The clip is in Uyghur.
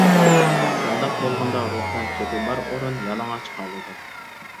بۇنداق بولغاندا روھلان خېتى بار ئورۇن يالىڭاچ قالىدۇ.